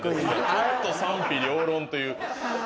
ちょっと賛否両論という。